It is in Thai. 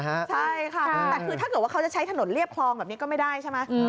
ใช่ค่ะแต่คือถ้าเกิดว่าเขาจะใช้ถนนเรียบคลองแบบนี้ก็ไม่ได้ใช่ไหม